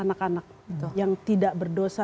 anak anak yang tidak berdosa